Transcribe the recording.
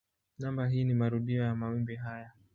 Namba hii ni marudio ya mawimbi haya.